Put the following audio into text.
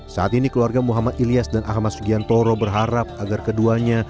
saat ini keluarga muhammad ilyas dan ahmad sugiantoro berharap agar keduanya